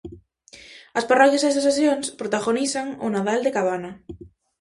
As parroquias e as asociacións protagonizan o Nadal de Cabana.